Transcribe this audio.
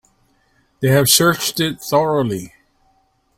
They have searched it thoroughly.